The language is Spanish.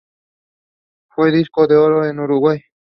Fue disco de oro en Uruguay.